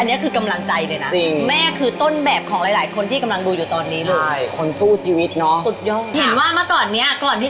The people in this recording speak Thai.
อันนี้คือกำลังใจเลยนะจริงแม่คือต้นแบบของหลายหลายคนที่กำลังดูอยู่ตอนนี้